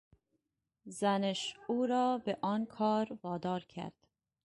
زنش او را به آن کار وادار کرد!